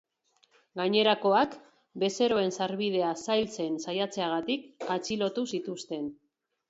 Gainerakoak, bezeroen sarbidea zailtzen saiatzeagatik atxilotu zituzten.